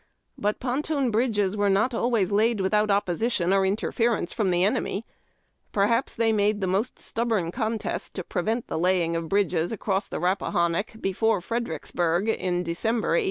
But ponton bridges were not always laid without opposi tion or interference from the enemy. Perhaps tliey made the most stubborn contest to prevent the hiying of the bridges across the Rappahannock before Fredericksburg in December, 1862.